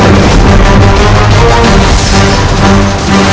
aku sedang mencari batu kio